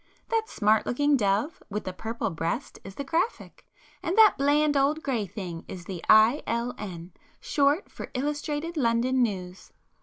—that smart looking dove with the purple breast is the 'Graphic,' and that bland old grey thing is the 'I. L. N.' short for 'Illustrated London News.